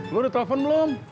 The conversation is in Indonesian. lo udah telfon belum